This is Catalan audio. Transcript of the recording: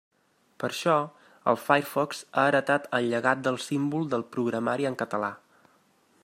Per això, el Firefox ha heretat el llegat del símbol del programari en català.